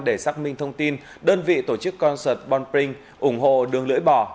để xác minh thông tin đơn vị tổ chức concert bonping ủng hộ đường lưỡi bò